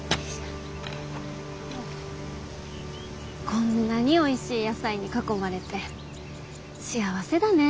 こんなにおいしい野菜に囲まれて幸せだね。